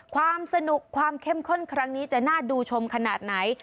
ความสนุกความเข้มข้นครั้งนี้จะน่าดูชมขนาดไหน